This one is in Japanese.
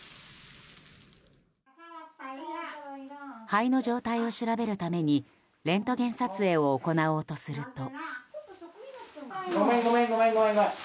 肺の状態を調べるためにレントゲン撮影を行おうとすると。